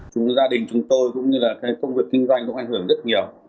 chúng gia đình chúng tôi cũng như là công việc kinh doanh cũng ảnh hưởng rất nhiều